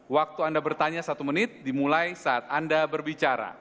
waktu anda bertanya satu menit dimulai saat anda berbicara